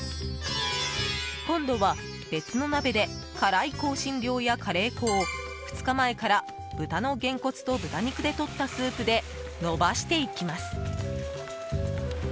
今度は別の鍋で辛い香辛料やカレー粉を２日前から豚のゲンコツと豚肉でとったスープでのばしていきます。